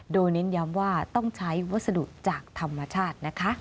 โดยเน้นย้ำว่าต้องใช้วัสดุจากธรรมชาตินะคะ